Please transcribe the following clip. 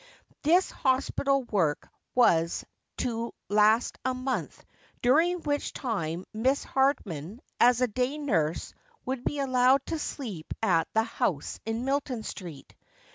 This hospital work was to last a month, during which time Miss Hardman, as a day nurse, would be allowed to sleep at the house in Milton Street.